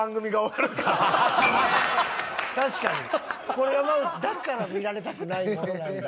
これ山内だから見られたくないものなんだ。